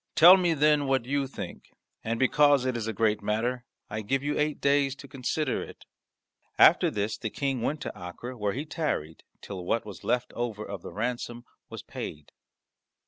Tell me, then, what you think. And because it is a great matter, I give you eight days to consider it." After this the King went to Acre, where he tarried till what was left over of the ransom was paid.